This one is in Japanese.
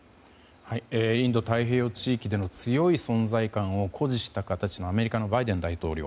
インド太平洋地域での強い存在感を誇示した形のアメリカのバイデン大統領。